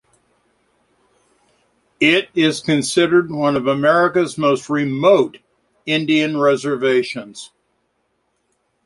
It is considered one of America's most remote Indian reservations.